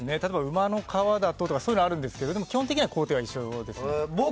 馬の革だとかそういうのがあるんですけどでも基本的に工程は一緒です。